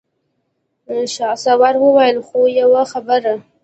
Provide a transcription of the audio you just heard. شهسوار وويل: خو يوه خبره!